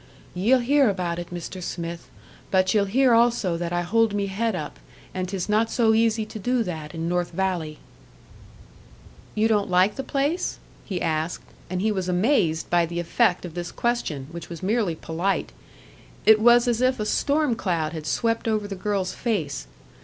"Ye'll hear about it, Mr. Smith; but ye'll hear also that I hold me head up. And 'tis not so easy to do that in North Valley." "You don't like the place?" he asked; and he was amazed by the effect of this question, which was merely polite. It was as if a storm cloud had swept over the girl's face.